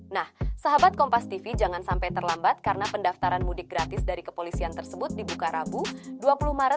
nah sahabat kompas tv jangan sampai terlambat karena pendaftaran mudik gratis dari kepolisian tersebut dibuka rabu dua puluh maret